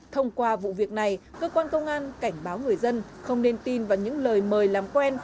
thông qua vụ việc này cơ quan công an cảnh báo người dân không nên tin vào những lời mời làm quen